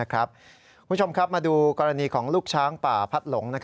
คุณผู้ชมครับมาดูกรณีของลูกช้างป่าพัดหลง